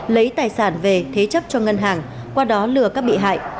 lấy tài sản về thế chấp cho ngân hàng qua đó lừa các bị hại